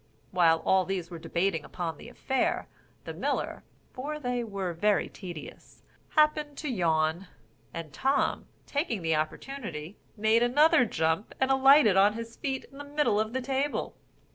While all these were debating upon the affair, the miller (for they were very tedious) happened to yawn, and Tom, taking the opportunity, made another jump, and alighted on his feet in the middle of the table.